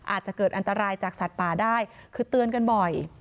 อาจจะเกิดอันตรายจากสัตว์ป่าได้คือเตือนกันบ่อย